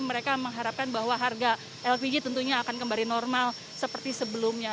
mereka mengharapkan bahwa harga lpg tentunya akan kembali normal seperti sebelumnya